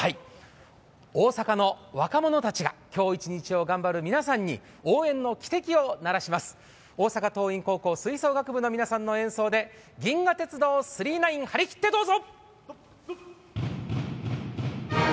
大阪の若者たちが今日一日を頑張る皆さんに応援の汽笛を鳴らします大阪桐蔭高校吹奏楽部の皆さんの演奏で「銀河鉄道９９９」、張り切ってどうぞ。